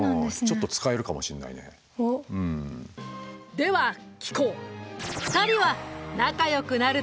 では聞こう。